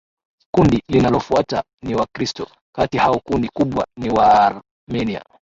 Kundi linalofuata ni Wakristoː kati hao kundi kubwa ni Waarmenia